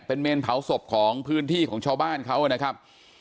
เป็นเมนเผาศพของพื้นที่ของชาวบ้านเขานะครับ